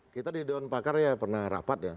kita di dewan pakar ya pernah rapat ya